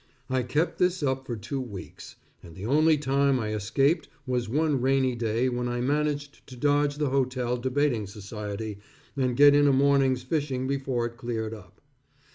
I kept this up for two weeks, and the only time I escaped was one rainy day when I managed to dodge the hotel debating society, and get in a morning's fishing before it cleared up.